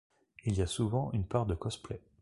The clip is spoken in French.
Il y a souvent une part de cosplay.